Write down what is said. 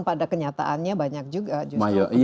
pada kenyataannya banyak juga justru